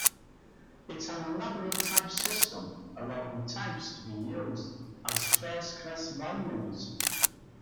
It has an elaborate type system, allowing types to be used as first-class values.